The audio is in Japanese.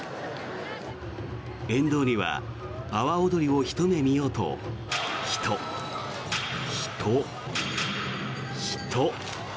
沿道には阿波おどりをひと目見ようと人、人、人。